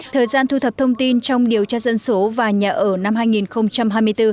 thời gian thu thập thông tin trong điều tra dân số và nhà ở năm hai nghìn hai mươi bốn